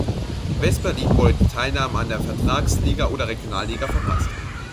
In West-Berlin wurde die Teilnahme an der Vertragsliga oder Regionalliga verpasst.